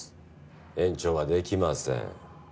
延長はできません。